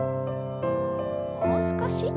もう少し。